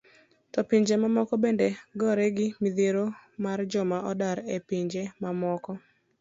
To pinje mamoko bende gore gi midhiero mar joma odar e pinje mamoko?